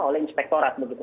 oleh inspektorat begitu